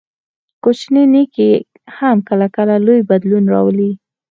کوچنی نیکي هم کله کله لوی بدلون راولي.